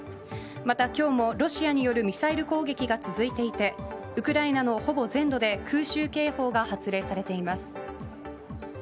また今日もロシアによるミサイル攻撃が続いていてウクライナのほぼ全土で空襲警報が発令されています。